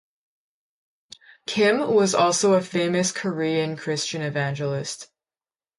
Kim was also a famous Korean Christian Evangelist.